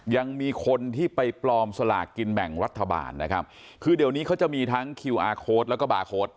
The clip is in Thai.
ยังมีคนที่ไปปลอมสลากกินแบ่งรัฐบาลนะครับ